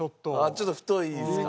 ちょっと太いですか？